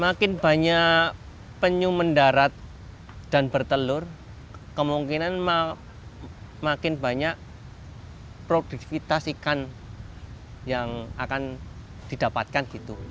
makin banyak penyu mendarat dan bertelur kemungkinan makin banyak produktivitas ikan yang akan didapatkan gitu